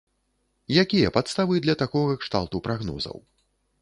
Якія падставы для такога кшталту прагнозаў?